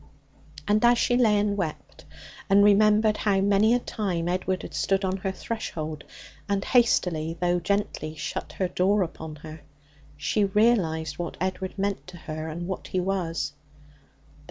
And as she lay and wept, and remembered how many a time Edward had stood on her threshold and hastily, though gently, shut her door upon her, she realized what Edward meant to her, and what he was.